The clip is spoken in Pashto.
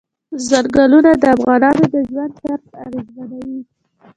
ځنګلونه د افغانانو د ژوند طرز اغېزمنوي.